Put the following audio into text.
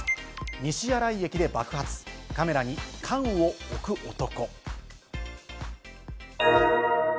西新井駅で爆発、カメラに缶を置く男。